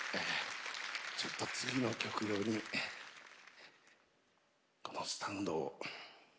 ちょっと次の曲よりこのスタンドを。